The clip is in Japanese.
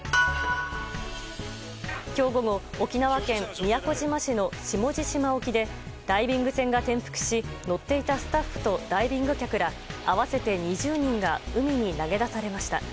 今日午後、沖縄県宮古島市の下地島沖でダイビング船が転覆し乗っていたスタッフとダイビング客ら合わせて２０人が海に投げ出されました。